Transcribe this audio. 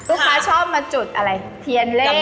คุณคะชอบมาจุดเทียนเลข